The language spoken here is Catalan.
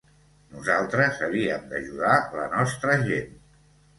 Nosaltres havíem d’ajudar la nostra gent.